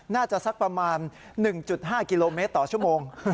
สักประมาณ๑๕กิโลเมตรต่อชั่วโมง